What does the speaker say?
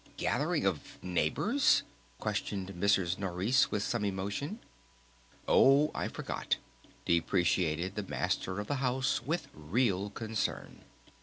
gathering of neighbors?" questioned Mrs. Nourice with some emotion. "Oh, I forgot," deprecated the Master of the House with real concern.